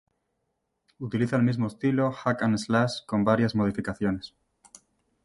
Utiliza el mismo estilo "hack and slash", con varias modificaciones.